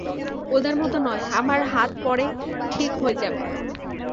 ওদের মতো নয়, আমার হাত পরে ঠিক হয়ে যাবে।